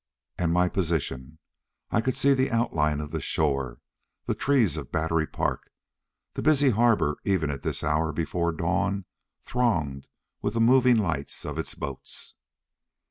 And my position. I could see the outline of the shore, the trees of Battery Park, the busy harbor, even at this hour before dawn, thronged with the moving lights of its boats.